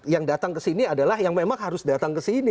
yang datang ke sini adalah yang memang harus datang ke sini